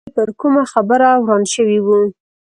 دوی خپلو کې پر کومه خبره وران شوي وو.